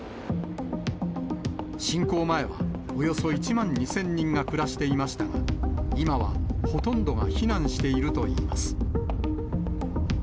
侵攻前は、およそ１万２０００人が暮らしていましたが、今はほとんどが避難しているといいます。